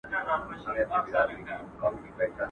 د باز له ځالي باز پاڅېږي.